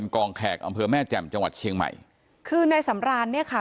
กองแขกอำเภอแม่แจ่มจังหวัดเชียงใหม่คือในสำรานเนี่ยค่ะ